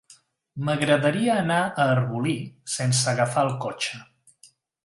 M'agradaria anar a Arbolí sense agafar el cotxe.